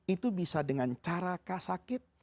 itu bisa dengan cara kah sakit